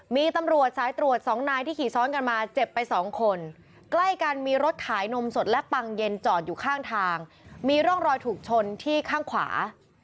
มีตำรวจสายตรวจสองนายที่ขี่ซ้อนกันมา